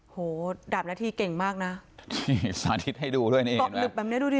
โหดาบนาทีเก่งมากน่ะสาธิตให้ดูด้วยนี่บอกหลืบแบบนี้ดูดิ